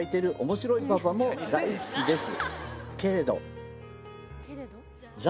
「面白いパパも大好きです」